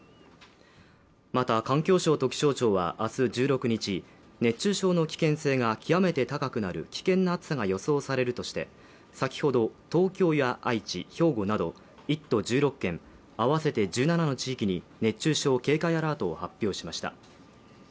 また、環境省と気象庁は明日１６日、熱中症の危険性が極めて高くなる危険な暑さが予想されるとして先ほど東京や愛知、兵庫など１都１６県合わせて１７の地域に熱中症警戒アラートを発表しました。